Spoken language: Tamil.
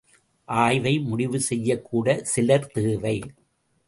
ஆய்வை முடிவு செய்யக்கூட சிலர் தேவை!